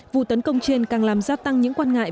vụ tấn công trên càng làm gia tăng những quan ngại